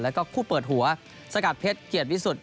แล้วก็คู่เปิดหัวสกัดเพชรเกียรติวิสุทธิ